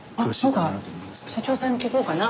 社長さんに聞こうかな。